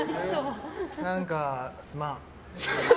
何か、すまん。